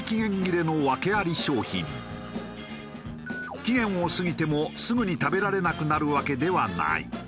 期限を過ぎてもすぐに食べられなくなるわけではない。